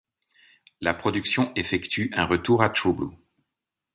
La production effectue un retour à True Blue.